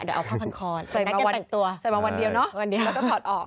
เดี๋ยวเอาผ้าพันคลอนเสร็จมาวันเดียวแล้วก็ถอดออก